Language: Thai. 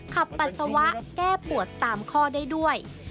ปัสสาวะแก้ปวดตามข้อได้ด้วย